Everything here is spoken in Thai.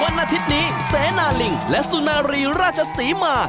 วันอาทิตย์นี้เสนาลิงและสุนารีราชศรีมา